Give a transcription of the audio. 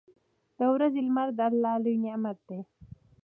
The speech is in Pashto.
• د ورځې لمر د الله لوی نعمت دی.